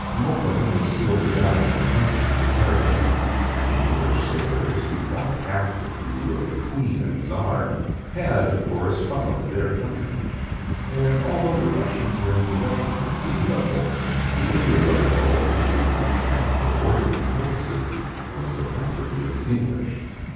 Mokoum was still the guide and hunter to the caravan. The English sailors, who formed half the crew of the " Queen and Czar," had, THREE ENGLISHMEN AND THREE RUSSIANS. 137 of course, followed their countrymen ; and although the Russians were in possession of the steam vessel, the India rubber boat, which was large enough for ordinary purposes, was the property of the English.